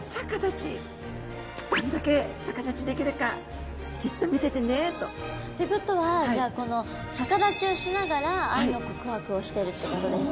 「どんだけ逆立ちできるかじっと見ててね」と。ってことはじゃあこの逆立ちをしながら愛の告白をしてるってことですね。